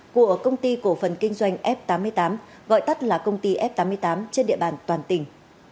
của công ty cổ phần kinh doanh f tám mươi tám gọi tắt là công ty f tám mươi tám trên địa bàn toàn tỉnh